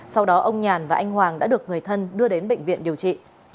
sau đó ông nhàn và anh hoàng đã được người thân đưa đến bệnh viện điều trị